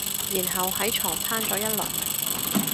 然後喺床攤咗一輪